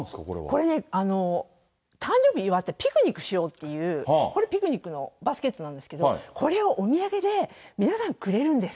これね、誕生日祝って、ピクニックしようっていう、これピクニックのバスケットなんですけど、これをお土産で、皆さんくれるんです。